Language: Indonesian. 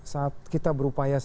saat kita berupaya